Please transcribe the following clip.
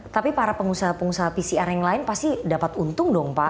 tapi para pengusaha pengusaha pcr yang lain pasti dapat untung dong pak